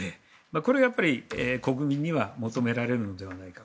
これが国民には求められるのではないかと。